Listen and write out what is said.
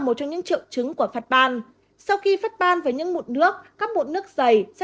một trong những triệu chứng của phật ban sau khi phát ban với những mụn nước các bụn nước dày sẽ